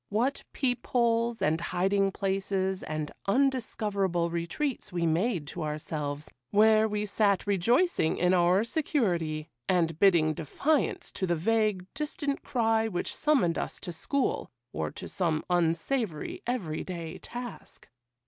What peep holes, and hiding places, and undiscoverable retreats we made to ourselves,—where we sat rejoicing in our security, and bidding defiance to the vague, distant cry which summoned us to school, or to some unsavoury every day task!